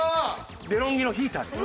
デロンギのヒーターです。